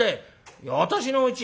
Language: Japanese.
「いや私のうち」。